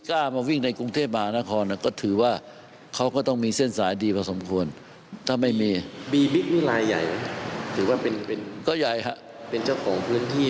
ระดับใหญ่ที่คุณคาดจิ้มไม่ถึง